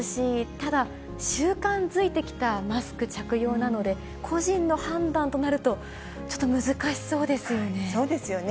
ただ、習慣づいてきたマスク着用なので、個人の判断となると、ちょっと難そうですよね。